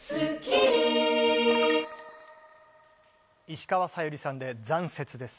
石川さゆりさんで『残雪』です。